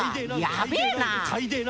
やべえな！